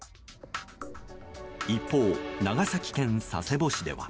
一方、長崎県佐世保市では。